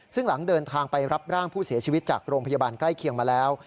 ซึ่งหลังเดินทางไปรับร่างผู้เสียชีวิตจากโรงพยาบาลใกล้เคียงมาแล้ว